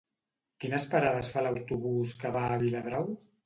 Quines parades fa l'autobús que va a Viladrau?